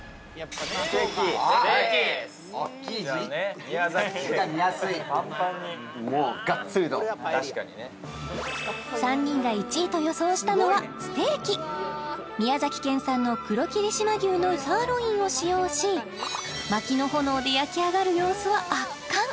ステーキ・おっきい字字が見やすいパンパンにもうがっつりと３人が１位と予想したのはステーキ宮崎県産の黒霧島牛のサーロインを使用し薪の炎で焼き上がる様子は圧巻！